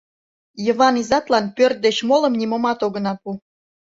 Йыван изатлан пӧрт деч молым нимомат огына пу.